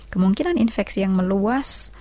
kemungkinan infeksi yang meluas